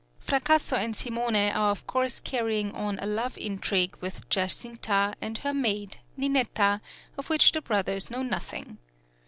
Fracasso and Simone are of course carrying on a love intrigue with Giacinta and her maid, Ninetta, of which the brothers know nothing.